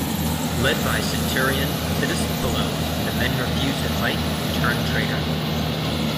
Led by centurion Titus Pullo, the men refused to fight, and turned traitor.